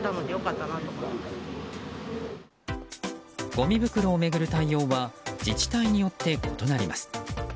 ごみ袋を巡る対応は自治体によって異なります。